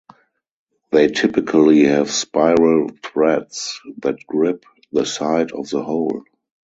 They typically have spiral threads that grip the side of the hole.